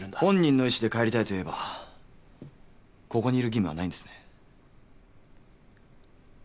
本人の意思で帰りたいと言えばここにいる義務はないんですね？